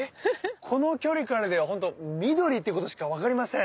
この距離からではほんと緑っていうことしか分かりません。